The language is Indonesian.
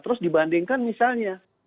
terus dibandingkan misalnya